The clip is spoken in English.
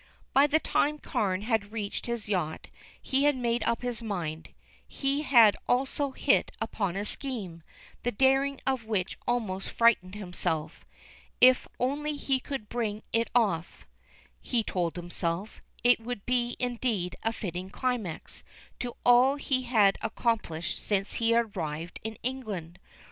By the time Carne had reached his yacht he had made up his mind. He had also hit upon a scheme, the daring of which almost frightened himself. If only he could bring it off, he told himself, it would be indeed a fitting climax to all he had accomplished since he had arrived in England.